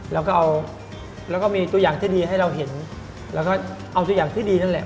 แล้วก็เอาแล้วก็มีตัวอย่างที่ดีให้เราเห็นแล้วก็เอาตัวอย่างที่ดีนั่นแหละ